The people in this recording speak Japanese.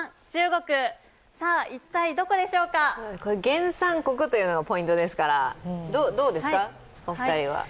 原産国というのがポイントですからどうですか、お二人は。